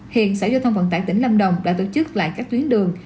hiện sở giao thông vận tải tỉnh nam đồng đã tổ chức lại các chuyến đường